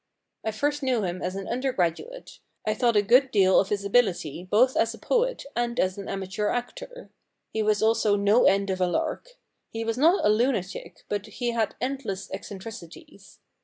* I first knew him as an undergraduate. I thought a good deal of his ability both as a poet and as an amateur actor. He was also no end of a lark. He was not a lunatic, but he had endless eccentricities.